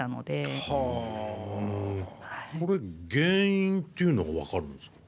これ原因っていうのは分かるんですか？